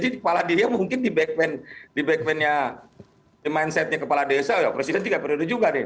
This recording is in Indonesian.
kepala desa mungkin di back endnya di back endnya mindsetnya kepala desa ya presiden tiga periode juga deh